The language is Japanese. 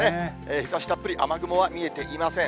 日ざしたっぷり、雨雲は見えていません。